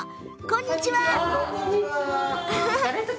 こんにちは。